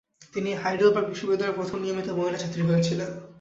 তিনি হাইডেলবার্গ বিশ্ববিদ্যালয়ের প্রথম নিয়মিত মহিলা ছাত্রী হয়েছিলেন।